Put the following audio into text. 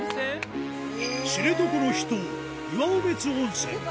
知床の秘湯、岩尾別温泉。